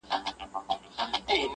چي له عقله یې جواب غواړم ساده یم,